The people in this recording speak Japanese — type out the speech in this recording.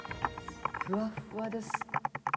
ふわっふわです。